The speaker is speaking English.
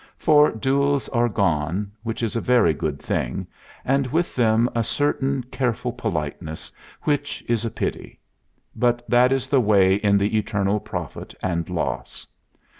For duels are gone, which is a very good thing, and with them a certain careful politeness, which is a pity; but that is the way in the eternal profit and loss.